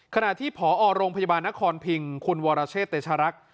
ขณะที่ผอโรงพยาบาลนครพิงคุณวรเชษเตชรักษ์